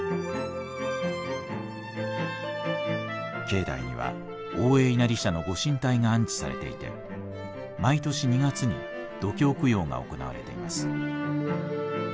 境内には大江稲荷社のご神体が安置されていて毎年２月に読経供養が行われています。